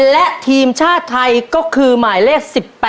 และทีมชาติไทยก็คือหมายเลข๑๘